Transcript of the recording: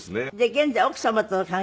現在奥様との関係は良好。